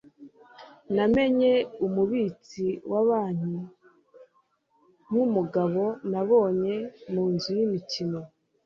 namenye umubitsi wa banki nkumugabo nabonye mu nzu yimikino